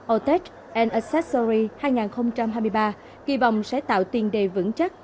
autotech accessories hai nghìn hai mươi ba kỳ vọng sẽ tạo tiền đề vững chắc